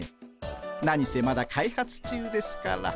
何せまだ開発中ですから。